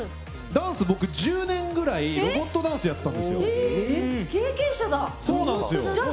ダンス、僕１０年ぐらいロボットダンスやってたんですよ。